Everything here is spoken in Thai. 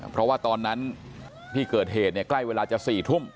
เพราะว่าตอนนั้นที่เกิดเหตุใกล้เวลาจะ๔ทุ่ม